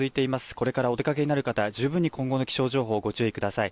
これからお出かけになる方、十分に今後の気象情報、ご注意ください。